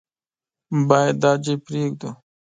بايد دا ځای پرېږدو.